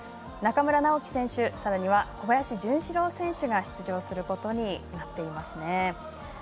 中村直幹選手さらには小林潤志郎選手が出場することになっています。